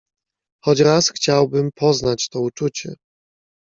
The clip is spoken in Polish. "Choć raz chciałbym poznać to uczucie."